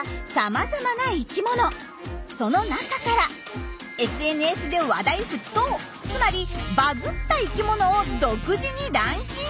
その中からＳＮＳで話題沸騰つまりバズった生きものを独自にランキング！